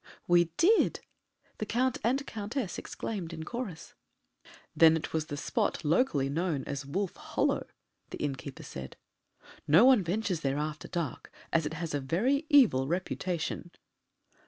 "We did!" the Count and Countess exclaimed in chorus. "Then it was the spot locally known as Wolf Hollow," the innkeeper said. "No one ventures there after dark, as it has a very evil reputation."